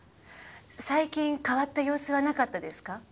最近変わった様子はなかったですか？